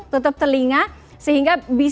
tutup telinga sehingga